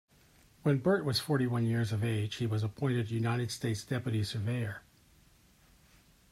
When Burt was forty-one years of age he was appointed United States deputy surveyor.